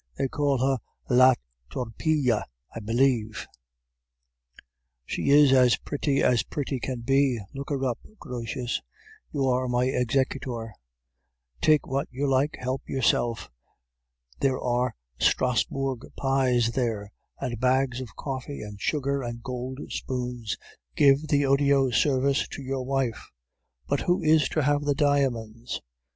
They call her "La Torpille," I believe; she is as pretty as pretty can be; look her up, Grotius. You are my executor; take what you like; help yourself. There are Strasburg pies, there, and bags of coffee, and sugar, and gold spoons. Give the Odiot service to your wife. But who is to have the diamonds?